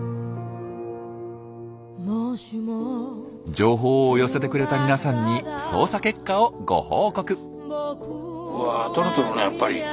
情報を寄せてくれた皆さんに捜査結果をご報告。